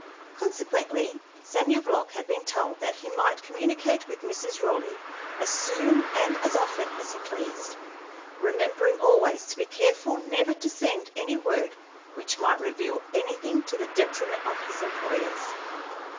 Consequently Samuel Block had been told that he might communicate with Mrs. Raleigh as soon and as often as he pleased, remembering always to be careful never to send any word which might reveal anything to the detriment of his employers.